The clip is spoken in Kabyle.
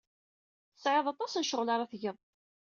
Tesɛid aṭas n ccɣel ara tged.